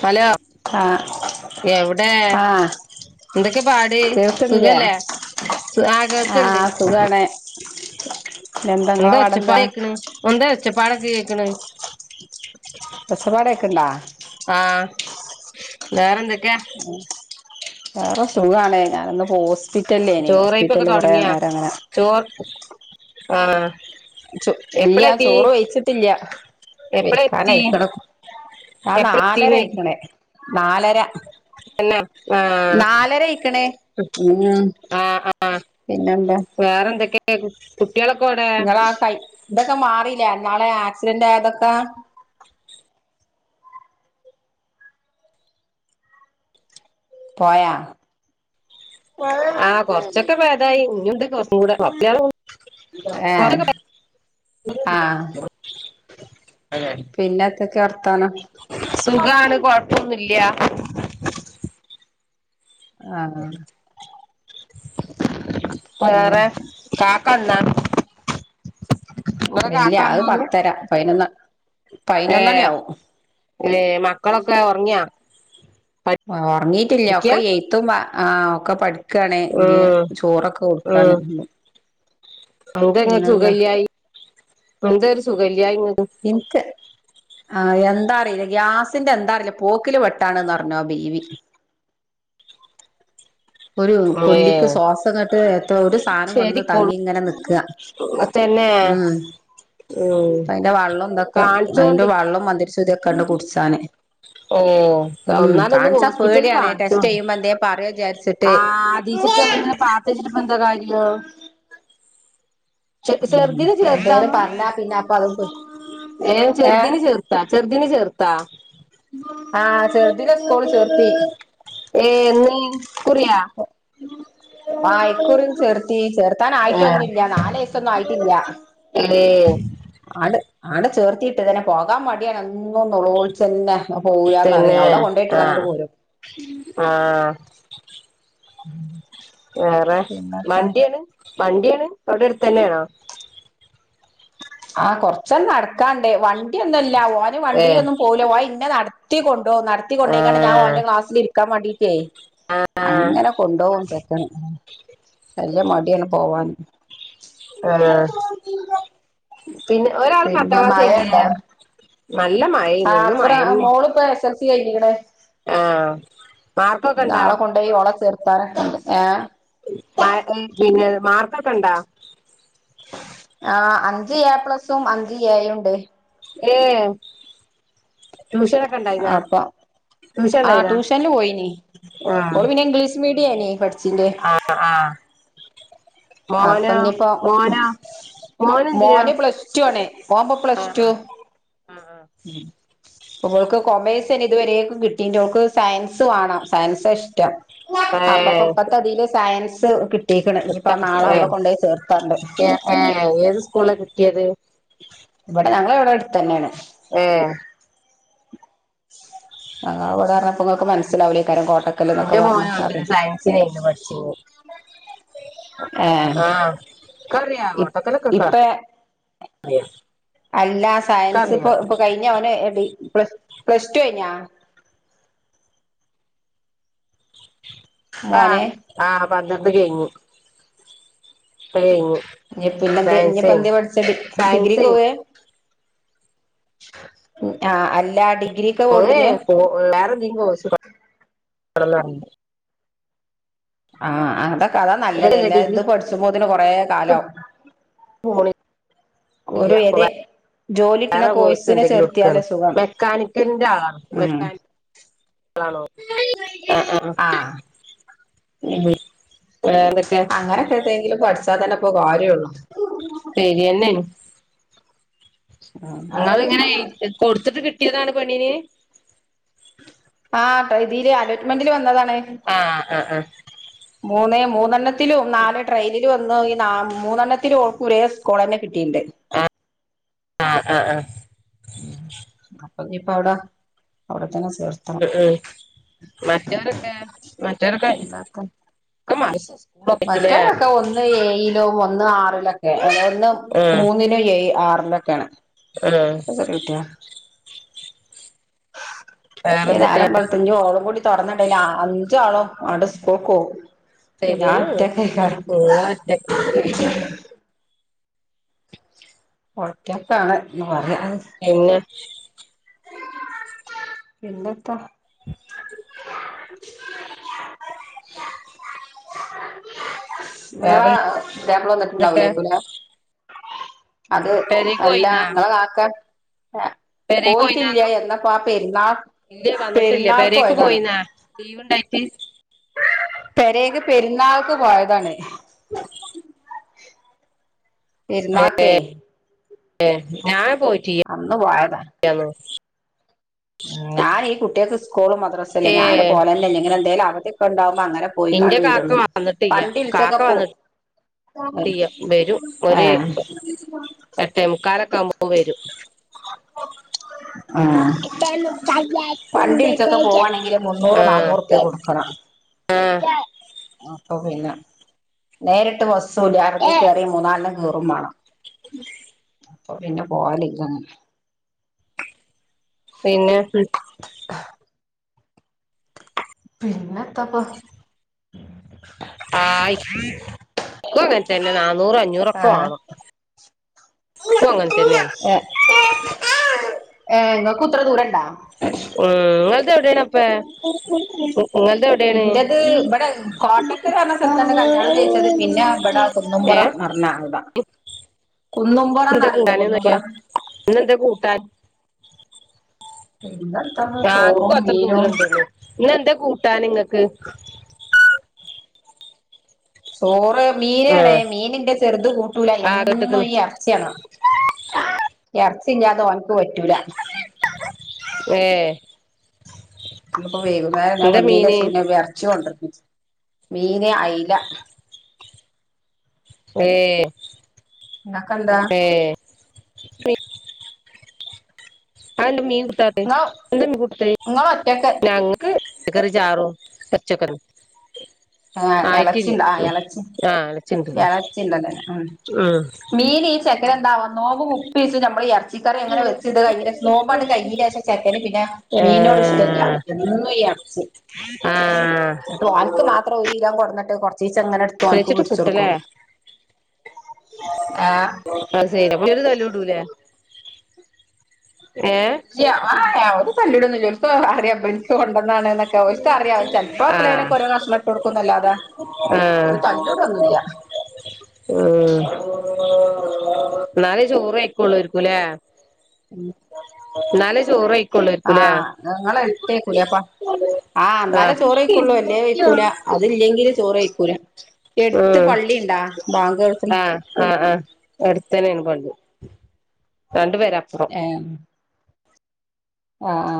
Hello ആഹ് എവ്ടെ? ആഹ് എന്തൊക്കെ പാട് കേൾക്ക്ണില്ലേ സുഖല്ലേ സു ആ കേൾക്ക്ണ്ട്. ആഹ് സുഖാണ് ഇങ്ങളെ എന്താ പാടെന്താ ഒച്ചപ്പാട് കേക്കണ്‌, എന്താ ഒച്ചപ്പാടൊക്കെ കേക്കണ് ക്കണ്ടാ ആ വേറെന്തൊക്കെയാ വേറെ സുഖാണേ ഞാനൊന്ന് ഹോസ് ഹോസ്പിറ്റൽ ഏനി ചോറയ്പ്പൊക്കെ ഹോസ്പിറ്റല് കൊറേ തുടങ്ങിയാ നേരം അങ്ങനെ ചോർ ആ ചു എപ്പള ഇല്ല്യ എത്തി ചോറ് വെയ്ച്ചിട്ടില്ല്യ. എപ്പള എത്തി വെയ്ക്കാനായിക്ക്ണ്. ആ എപ്പള നാലര എത്തീന്ന് അയിക്ക്ണേ നാലര എന്നാ ആ നാലരയിക്ക്ണ് ഉം ആ ആ പിന്നെന്താ വേറെ എന്തൊക്കെയാ [unintelligible] നിങ്ങളാ കൈ ഇതൊക്കെ മാറില്ലേ ഇന്നാള് ആ ആക്സിഡന്റ് ആയതൊക്ക പോയാ ആ കൊർച്ചൊക്കെ ഭേദായി ഇനിയുണ്ട് കൊറച്ചും കൂടെ കൊറച്ചു നാളു ഏ ആ പിന്നെത്തൊക്കെ വർത്താനം. സുഖാണ് കൊഴപ്പൊന്നുല്ല്യ. ആഹ്. പിന്നെ വേറെ കാക്കന്ന. ഇല്ല അത് പത്തര പതിനൊന്ന് പതിനൊന്നണി ആവും. ല്ലെ മക്കളൊക്കെ ഉറങ്ങിയാ. ഒ ഓർങ്ങീട്ടില്ല പഠിക്കാ ഒക്കെ എയ്ത്തും വാ ഒക്കെ പഠിക്കാണ് ഇനി ഉം ചോറൊക്കെ കൊടുക്കാൻ. എന്തങ്ങെ സുഖല്യായി എന്ത ഒരു സുഖല്യായി ഇങ്ങ എനിക്ക് ആ എന്താ അറിയില്ല ഗ്യാസിന്റെ എന്താ അറിയില്ല പോക്കില് വെട്ടാണ്ന്നറിഞ് ആ ബീവി. ഒരു ഏ കൊല്ലിക്ക് ശ്വാസങ്ങട്ട് എതോ ഒരു സാനം വന്ന് തങ്ങി ഇങ്ങനെ നിക്കുവ. അതന്നെ ഉം. എന്തൊക്കെ അതിന്റെ കാണിച്ചോണ്ടി വെള്ളം മന്തരിച്ചുതിക്കൊണ്ട് കുടിച്ചാന്. ഓ ഉം ഒന്നാലൊന്ന് കാൺച ഹോസ്പിറ്റലിൽ പേടിയാണ് ടെസ്റ്റ് ചെയ്യുമ്പോ എന്തെ പറ ആഹ അതീച്ചിട്ട്മ്മൾ ഇങ്ങനെ പാത്തച്ചിട്ട് ഇപ്പ എന്താ കാര്യോ? ഉം ചെറുതിനെ എന്തേലും ചേർത്തന്നു പറഞ്ഞാ പിന്നെ അപ്പൊ അത് ഏ ഏഹ് ചെറുദീന് ചേർത്താ? ചെറുതിന ചേർത്താ? ആഹ ചെറുതിനെ സ്കൂള് ചേർത്തി. കുറിയ. ആ ഇക്കുറിം ചേർത്തി ചേർത്താൻ ആഹ് ആയിട്ടൊന്നുല്ല നാല ന്നു ആയിട്ടില്ല ഏ ആ ആടെ ചേർത്തിട്ട് ഇതിനെ പോകാൻ മടിയാണ്. ഒന്നളോച്ചന്നെ ഞാൻ പോവൂലനറിം തന്നെ അവിടെ കൊണ്ടോയിട്ട് ങ്ങാണ്ടങ്ങട്ട് ആഹ് പോരും. ആഹ്. ഉം വേറെ വണ്ടിയാണ് വണ്ടിയാണ് അവിടെ അടുത്തന്നെണോ? ആഹ കൊറച്ചങ് നടക്കാണ്ടേ വണ്ടി ഒന്നുംല്ല ഓൻ ഏ വണ്ടീയിലൊന്നും പോല ഓൻ ഇന്നെ നടത്തികൊണ്ട് ഓ നടത്തികൊണ്ടേയ്ങ്ങാണ്ട് ഞൻ ആഹ് ഓന്റെ ക്ലാസിൽ ഇരിക്കാൻ വാണ്ടി. ആഹ് അങ്ങനെ കൊണ്ടുപോകും പെക്കണം നല്ല മടിണ്. പോവാൻ. ആഹ [inaudible] പിന്നെ ഒരാൾ പത്താം പിന്നെ ക്ലാസ് ഏയ്ഞ്ഞിലെ മഴണ്ടോ നല്ല മഴ ന്ന് മഴന്നെ. ടെ ആഹ് മാർക്കൊക്കെ ഇണ്ടാ നാളെ കൊണ്ടോയി ഓള ചേർത്താനക്കെ ണ്ട്. പിന്നെ മാർക്കൊക്കെണ്ടാ. ആ അഞ്ച് എ പ്ലസും അഞ്ച് എയും ഉണ്ട്. ഏ. ട്യൂഷനൊക്കെ ഇണ്ടായിനാ അപ്പ ട്യൂഷൻ ആ ഇണ്ടായിനാ ട്യൂഷനിൽ പോയിനി ആഹ് ഓൾ പിന്നെ ഇംഗ്ലീഷ് മീ ട്ട [inaudible] ആഹ് ആഹ് മോനോ അപ്പൊഞ്ഞിപ്പോ മോനോ മോനെന്തിനാ മോനെ പ്ലസ് ട്ടു ആണേ മോപ്പൊ പ്ലസ് ആഹ് ട്ടു. ആഹ് ആഹ് ആഹ് ഉം ഇവൾക്ക് കൊമേഴ്സ് തന്നെ ഇതുവരെയൊക്കെ കിട്ടീ് അവൾക്ക് സയൻസ് വ കാണാം സയൻസ് ഇഷ്ടം അപ്പൊപ്പൊ പ്പത്ത തില് സയൻസ് കി എട്ട ഏ ഏ ഏത് സ്കൂള കിട്ടിയത് [unintelligible] [inaudible] ഇവിടെ ഞങ്ങള് ഇവിടെ അടുതെന്നെണ്. ഏഹ് അ അവിടെ പറഞ്ഞപ്പോ നിങ്ങക്ക് മനസ്സിലാവില്ലൈക്കാരം കോ ന്റെ മോന് അവിടെന്നെ സയൻസേനിന്ന് പഠിചീന്നെ ഏഹ് ആഹ് ക്കറിയാ ഇ കോട്ടക്കല്ലൊക്കെ ക്ക് ഇപ്പ അറി യെസ് അല്ല സയൻസ് ഇപ്പൊ ഇപ്പൊ കഴിഞ്ഞ അവന് പ്ല പ്ലസ്ടു കഴിഞ്ഞാ ആഹ് മോനെ ആഹ് പന്ത്രണ്ട് കഴിഞ്ഞ് പ്പ കഴിഞ്ഞ് നി പിന്നെ എന്തേ ഇനി ഇപ്പ എന്തെയ പഠിച്ച ഡി സയൻസേനു ഡിഗ്രിക്കോവേ ആഹ് അല്ലാ ഡി ഓനെ വേറെന്തെങ്കി കോഴ്സ് പ പഠിക്കൊന്നറിയില്ല ആഹ് അതാ കഥ നല്ലത് ഇല്ലല്ല അല്ലാ ഇത് ഡിഗ്രിക്ക് പഠിച്ചുമ്പോത്തിന് കൊറേ കാലാവും പോളി കോരു എതെ വേറെ കോഴ്സ് എന്തെങ്കിലും ഇട്ക്കാണ് സുഖം മെക്കാനിക്കിന്റെ ആളാ ഉം മെക്കാനി ആണോ ആഹ് ആഹ് ആ ഉം വേറെന്തൊക്കെ അങ്ങനെക്കത്തെ എതെങ്കിലും പഠിച്ചാ തന്നെ പോ കാര്യൊള്ളു ശരിയെന്നേണ് നിങ്ങളിങ്ങനെ കൊടുത്തിട്ട് കിട്ടിയതാണ് പെണ്ണിന് ആ പതിൽ അലോട്ട്മെന്റിൽ വന്നതാണ് ആഹ് ആഹ് ആഹ് മൂന്നേ മൂന്നെണത്തിലും നാല് ട്രെയില് ഈ വന്നോ ഈ ന മൂന്നെണ്ണത്തിൽ ഓൾക്ക് ഒരേ സ്കുള് തന്നെ കിട്ടിയിണ്ട് ആഹ് ആ ആ ഇപ്പ അവിടെ അവിടെത്തന്നെ ഉം ഉം മറ്റോരൊക്കെ മറ്റോരൊക്കെ എന്താക്ക [unintelligible] മറ്റവരൊക്കെ ഒന്ന് ഏഴിലും ഒന്ന് ആറിലോക്കെയാ അ ന്നും ഉം മൂന്നിനും ഏ ആറിലൊക്കെയാണ് ഉം ഇഞ്ഞ് വേറെന്തൊക്കെ നേരമ്പള്ത്ത് ഇഞ്ഞ് ഓളും കൂടി തുറന്നടേല് അഞ്ചാളും അട് സ്കുക്കോകും ഞാ ശരിയെന്നെ ഒറ്റക്ക് എയ്ക്കാരം നിങ്ങളൊറ്റ ഒറ്റക്കാണ് എന്ന് പറയാ [inaudible] പിന്നെത്താ [inaudible] നിങ്ങളെ പുതിയാപ്പള വേറെ എന്തൊക്കെ വന്നിട്ടുണ്ടാവുലേക്കും ലേ അത് പെരേക്ക് അല്ല പോയിന്നാ നിങ്ങള കാക്കാ ഏ പെരേക്ക് പോയിട്ടില്ല പോയിന്നാന്നു എന്നാപാ പെരുന്നാൾ ഇല്ലേ വന്നിട്ടില്ലേ പെരുന്നാൾക്ക് പെരേക്ക് പോയതാണ് പോയിന്നാ ലീവ് ഉണ്ടായിട്ട് പെരേക്ക് പെരുന്നാൾക്ക് പോയതാണ് പെരുന്നക്കേ ഏ ഞാൻ പോയിട്ടിയ [inaudible] ഞാ ഈ കുട്യക്ക് സ്കൂള് മദ്രാസല്ലേ ഞാന് പോലെന്നെല്ല ഇങ്ങനെ എന്തോലും അവധിയൊക്കെ ഉണ്ടാവോ എന്റെ കാക്ക വന്നിട്ടിയ്യ കാക്ക വിളിച്ചൊക്കെ പോ വന്നി ട്ടിയ്യ വരും ഒര് ഏഹ് എട്ടേമുക്കാൽ ഒക്കെ ആകുമ്പോ വരും [inaudible] ആഹ് വണ്ടി വിൾച്ചൊക്കെ പോവാണെങ്കില് മുന്നൂറ് നന്നൂറുപ്യൊക്കെ കൊടുക്കണം ആഹ അപ്പൊ പിന്നെ നേരിട്ട് പോസ് സോ ബാങ്കി കയറി മൂന്നാലെണ്ണം കീറും വേണം അപ്പൊ പിന്നെ പോവലിങ്കങ്ങെ പിന്നെ [inaudible] പിന്നെത്തപ്പൊ ആ ഇക്കോ അങ്ങനെ തന്നെ നാ നുറും അഞ്ഞൂറക്കെ ആഹ് വേണം ഇക്കു അങ്ങനെ തന്നെയാണ് ഏ നിങ്ങൾക്ക്ത്ര ദൂരണ്ടാ ഉം ങ്ങൾത് എവിടൊണ് അപ്പ നിങ്ങളത് എവിടെയാണ് ഇന്റത് ഇബടെ കോട്ടക്കൽ ന്ന് പറഞ്ഞ സ്ഥലത്ത് കല്യാണം കഴിച്ചത് പിന്നെ ഇവിടെ കുന്നോ ഏ പറഞ്ഞാ അത ഇന്ന് എന്താ കൂട്ടാനന്ന് പറയാ ഇ ന്ന് എന്താ കൂട്ടാൻ പിന്നെത്താ ആക്കും ചോറും അത്ര മീനും ദൂരണ്ട ഇന്നെന്താ കൂട്ടാൻ ങ്ങക്ക് ചോറ് ആ മീനാണ് മീനിന്റെ ചെറുത് കൂട്ടൂല ആ എന്നും കേട്ട്ക്ക്ണ് ഈ അർച്ചിവേണം ഇറച്ചി ഇല്ലാതെ ഓൻക്ക് പറ്റൂല ഏ... ഇന്നി പ്പോ വൈകുന്നേരം ഞാൻ വ എന്താ ന്നീന്റെ മീന് ശേഷം ഇറച്ചി കൊണ്ടിരിപ്പിച്ചു മീന അയില ഏ ഇങ്ങക്കെന്താ ഏ അതെന്റെ മീൻ കൂട്ടാത്തെ ഇങ്ങള് എന്താ മീൻ കൊടുത്ത ഇങ്ങള് ഒറ്റക്ക് ഞങ്ങക്ക് പച്ചക്കറി ചാറും പച്ചക്കറി ആ ഇളച്ചി ആയിട്ടില്ല ആ ഇളച്ചി ആഹ് അടച്ചിണ്ടല്ലോ ഇളച്ചിണ്ടല്ലോ ഉം മീന് ഈ ചെക്കന് എന്താവോ നോമ്പ് മുപ്പി ദിവസം നമ്മളി ഇറച്ചി ഇറച്ചിക്കറി അങ്ങനെ വച്ചത്ശേഷം നോമ്പ് കഴിഞ്ഞി ശേഷംചക്കന് പിന്നെ മീനോട് ഇഷ്ടമില്ല ആഹ് എന്നും ആഹ് ഓനൻ ക്ക് മാത്രം ഒരു കിലോ കൊടുന്നിട്ട് കൊറ ചിച്ചേ ങ്ങനെടുത്തു ഓൻക്ക് പൊരിച്ചു കൊടുക്കും ഏഹ് ആ ശരി പി ഒരു തല്ല് കൂടുലെ ഇല്ല ഓല് തല്ലിടൊന്നില്ല ഓല്ക്ക് അറിയ ബൻക്ക് കൊണ്ട എന്നൊക്കെ ഒല്ക് അറിയ ചെല്പ്പോ എപ്പളെ ആഹ് കിലും ഒരേ കഷ്ണംഇട്ട് കൊടുക്കും ന്നല്ലാതാ ഓല് തല്ല് കുടുന്നുല്ല ഉ എന്നാലേ ചോറ് ആയിക്കുള്ളൂരിക്കുംല്ലേ ഉ നാലെ ചോറ് ആയി ആ ഞങ്ങള എടുത്തേക്കൂല അപ്പ ആഎന്നാലേ ഉം ചോറ്ക്കുള്ളു എല്ലേ വെയിക്കൂല അതില്ലെങ്കില് ചോറ് വെയിക്കൂല അ കേൾക്കണ ആ ആ അടുത്തന്നെ പള്ളി പേരപ്പുറം എം ആ ആ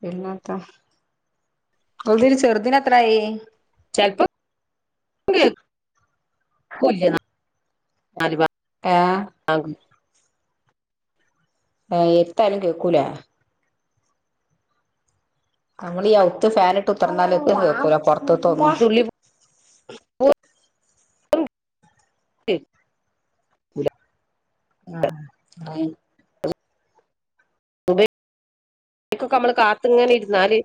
പിന്നെന്താ ചെലപ്പോ കൊല്ലി ഏഹ് [unintelligible] ആ എരുത്താലും കേക്കൂല നമ്മള് ഔത്ത് ഫാൻ ഇട്ട്ത്രറന്നാല ഒരു എത്തും കേൾക്കൂല പുറത്ത്തന്നും തുള്ളി [unintelligible] ആഹ് [unintelligible] [unintelligible] അയ്ക്കൊകമ്മള് കാത്ത്ങ്ങനെ ഇര്ന്നാല്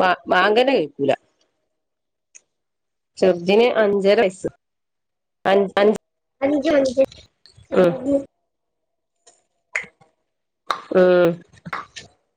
ബാ ബാങ്ക്ന്നെ കേക്കൂല. ചെർതിന്ന് അഞ്ചര വയസ്. അൻ അൻ ഉം ഉം